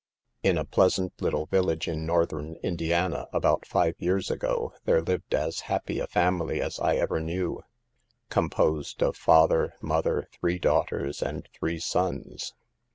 In a pleasant little village in Northern la THE PERILS OF POVERTY. 165 diana, about five years ago, there lived as happy a family as I ever knew, composed of father, mother, three daughters and three sons.